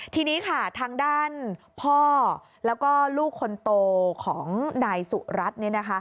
ทีนี้ค่ะทางด้านพ่อแล้วก็ลูกคนโตของนายสุรัตน์